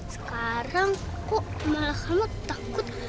sekarang kok malah kamu takut